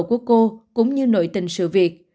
của cô cũng như nội tình sự việc